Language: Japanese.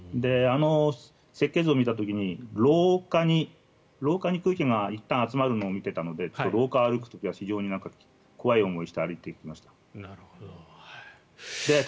設計図を見た時に廊下に空気がいったん集まるのを見ていたので廊下を歩く時は非常に怖い思いをして歩いていました。